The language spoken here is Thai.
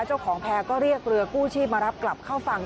เจ้าของแพร่ก็เรียกเรือกู้ชีพมารับกลับเข้าฝั่ง